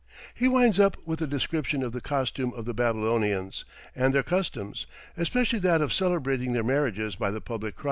He winds up with a description of the costume of the Babylonians, and their customs, especially that of celebrating their marriages by the public crier.